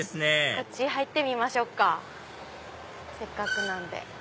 こっち入ってみましょうかせっかくなんで。